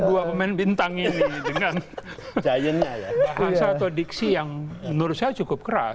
dua pemain bintang ini dengan giantnya ya atau diksi yang menurut saya cukup keras